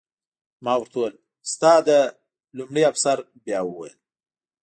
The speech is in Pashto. ما ورته وویل: ستا د... لومړي افسر بیا وویل.